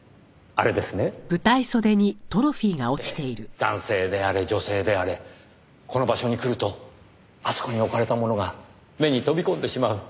男性であれ女性であれこの場所に来るとあそこに置かれたものが目に飛び込んでしまう。